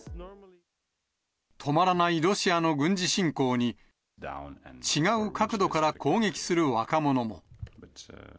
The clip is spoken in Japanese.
止まらないロシアの軍事侵攻に、違う角度から攻撃する若者も。